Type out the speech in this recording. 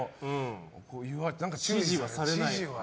指示はされない。